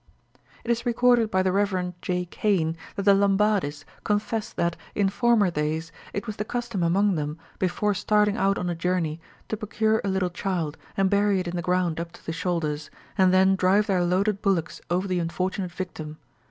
It is recorded by the Rev. J. Cain that the Lambadis confessed that, in former days, it was the custom among them, before starting out on a journey, to procure a little child, and bury it in the ground up to the shoulders, and then drive their loaded bullocks over the unfortunate victim.